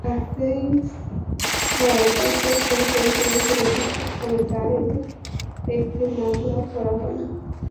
রাতেই সার পাচারসংক্রান্ত ব্যাপারে বিশেষ ক্ষমতা আইনে একটি মামলা করা হবে।